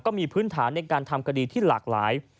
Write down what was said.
มีพื้นฐานในการทำคดีที่หลากหลาย